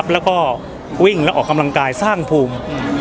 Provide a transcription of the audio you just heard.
แล้วก็วิ่งและออกกำลังกายสร้างภูมิ